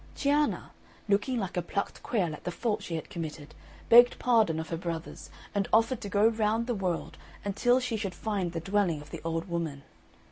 Cianna, looking like a plucked quail at the fault she had committed, begged pardon of her brothers, and offered to go round the world until she should find the dwelling of the old woman.